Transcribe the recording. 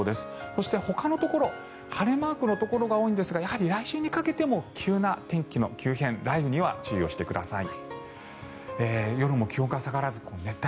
そして、ほかのところ晴れマークのところが多いんですがやはり来週にかけても急な天気の急変、雷雨には注意してください。